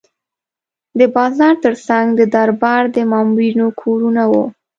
د بازار ترڅنګ د دربار د مامورینو کورونه وو.